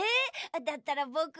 だったらぼくは。